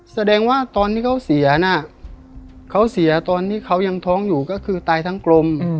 แสดงว่าตอนที่เขาเสียน่ะเขาเสียตอนที่เขายังท้องอยู่ก็คือตายทั้งกลม